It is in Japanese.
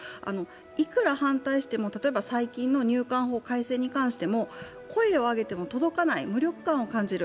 いくら反対しても例えば最近の入管難民改正法に関しても声を上げても届かない無力感を感じる。